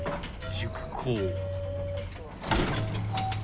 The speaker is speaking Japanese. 熟考。